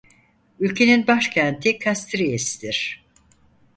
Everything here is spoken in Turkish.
Ülkenin başkenti Castries'dir.